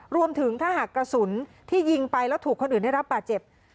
รวมถึงถ้าหากกระสุนที่ยิงไปแล้วถูกคนอื่นได้รับบาดเจ็บ